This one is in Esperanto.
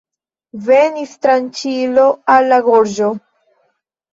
Venis tranĉilo al la gorĝo.